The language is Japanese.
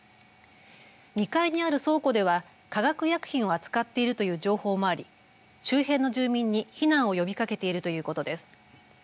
２階にある倉庫では化学薬品を扱っているという情報もあり周辺の住民に避難を呼びかけているということです。